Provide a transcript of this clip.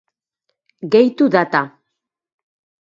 Gehitu data.